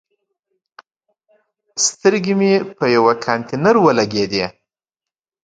سترګې مې په یوه کانتینر ولګېدې.